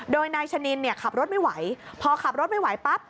โดยนายชะนินเนี่ยขับรถไม่ไหวพอขับรถไม่ไหวปั๊บ